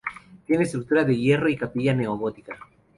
Tiene estructura de hierro y capilla neo-gótica.